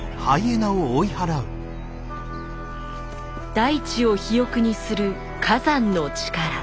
大地を肥沃にする火山の力。